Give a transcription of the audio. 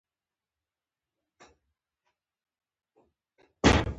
د نجلۍ ټیک، د هلک سترګې